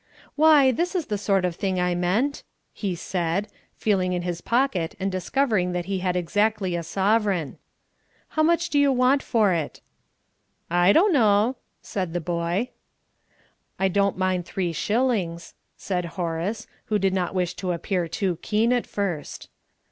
"Why, this is the sort of thing I meant," he said, feeling in his pocket and discovering that he had exactly a sovereign. "How much do you want for it?" "I dunno," said the boy. "I don't mind three shillings," said Horace, who did not wish to appear too keen at first.